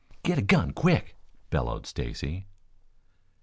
"Get a gun, quick!" bellowed Stacy.